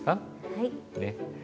はい。